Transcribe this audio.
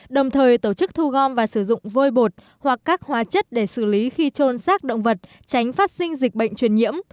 đồng thời tổ chức thu gom và sử dụng vôi bột hoặc các hóa chất để xử lý khi trôn xác động vật tránh phát sinh dịch bệnh truyền nhiễm